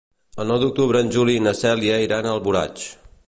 El nou d'octubre en Juli i na Cèlia iran a Alboraig.